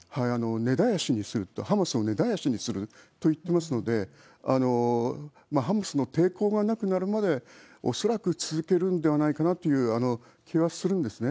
根絶やしにすると、ハマスを根絶やしにすると言っていますので、ハマスの抵抗がなくなるまで、恐らく続けるんではないかなという気はするんですね。